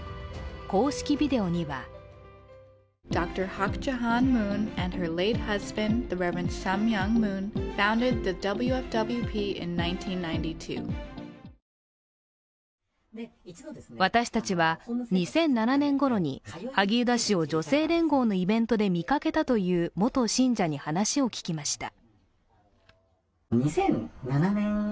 公式ビデオには私たちは２００７年ごろに萩生田氏を女性連合のイベントで見かけたという元信者に話を聞きました。